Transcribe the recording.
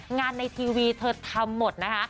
ในทีวีเธอทำหมดนะคะ